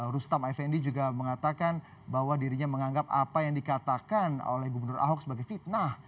rustam fnd juga mengatakan bahwa dirinya menganggap apa yang dikatakan oleh gubernur ahok sebagai fitnah